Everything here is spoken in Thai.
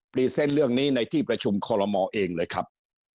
รีเซนต์เรื่องนี้ในที่ประชุมคอลโลมอเองเลยครับ